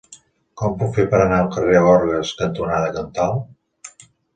Com ho puc fer per anar al carrer Orgues cantonada Comtal?